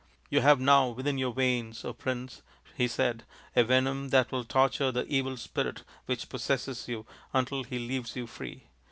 " You have now within your veins, Prince," he said, " a venom that will torture the evil spirit which possesses you until he leaves you free.